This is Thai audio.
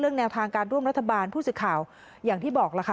แนวทางการร่วมรัฐบาลผู้สื่อข่าวอย่างที่บอกล่ะค่ะ